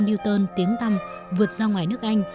newton tiếng tâm vượt ra ngoài nước anh